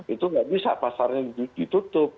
itu nggak bisa pasarnya ditutup